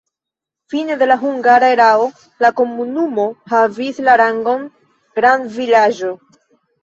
Fine de la hungara erao la komunumo havis la rangon grandvilaĝo.